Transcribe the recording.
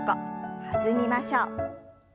弾みましょう。